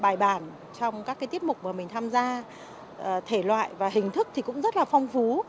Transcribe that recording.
bài bản trong các tiết mục mà mình tham gia thể loại và hình thức thì cũng rất là phong phú